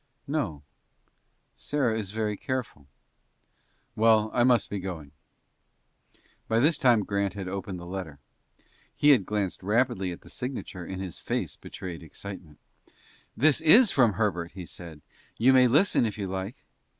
"No; Sarah is very careful." "Well, I must be going." By this time Grant had opened the letter. He had glanced rapidly at the signature, and his face betrayed excitement. "This is from Herbert," he said. "You may listen, if you like."